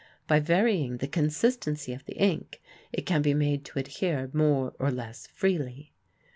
By varying the consistency of the ink it can be made to adhere more or less freely.